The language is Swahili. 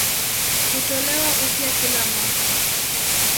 Hutolewa upya kila mwaka.